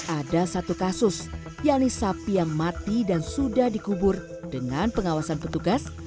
ada satu kasus yaitu sapi yang mati dan sudah dikubur dengan pengawasan petugas